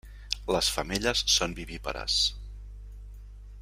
Les femelles són vivípares.